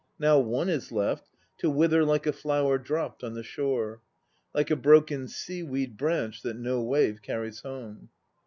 Now one is left, to wither Like a flower dropped on the shore. Like a broken sea weed branch That no wave carries home.